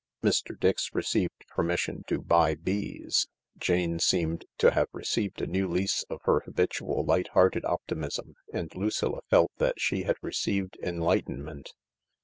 Mr. Dix received permission to buy bees, Jane seemed to have received a new lease of her habitual light hearted optimism, and Lucilla felt that she had received enlighten ment.